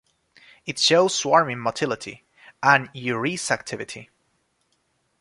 It shows swarming motility and urease activity.